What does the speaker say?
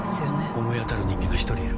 思い当たる人間が１人いる。